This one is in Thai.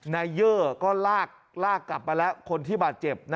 เยอร์ก็ลากกลับมาแล้วคนที่บาดเจ็บ